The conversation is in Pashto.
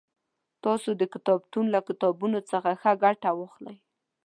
تاسو د کتابتون له کتابونو څخه ښه ګټه واخلئ